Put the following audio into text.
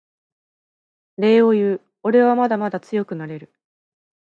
礼を言うおれはまだまだ強くなれる